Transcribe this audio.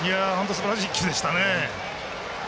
すばらしい１球でしたね。